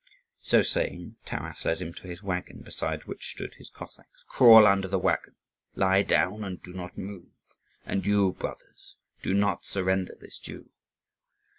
So saying, Taras led him to his waggon, beside which stood his Cossacks. "Crawl under the waggon; lie down, and do not move. And you, brothers, do not surrender this Jew."